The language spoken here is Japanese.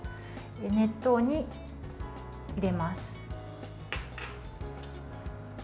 熱湯に入れます。